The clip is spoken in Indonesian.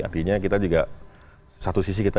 artinya kita juga satu sisi kita